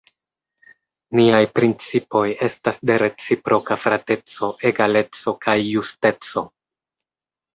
Niaj principoj estas de reciproka frateco, egaleco kaj justeco.